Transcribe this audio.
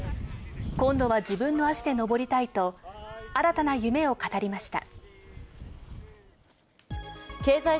今度は自分の足で登りたいと、新たな夢を語りました。